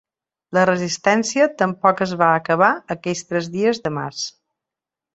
La resistència tampoc es va acabar aquells tres dies de març.